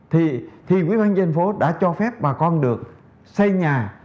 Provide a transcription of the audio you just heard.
thì quỹ ban dân phố đã cho phép bà con được xây nhà